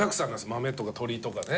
豆とか鶏とかね。